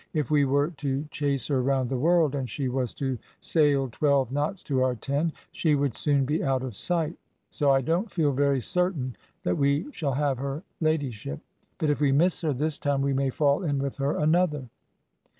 "If we were to chase her round the world, and she was to sail twelve knots to our ten, she would soon be out of sight, so I don't feel very certain that we shall have her ladyship; but if we miss her this time we may fall in with her another."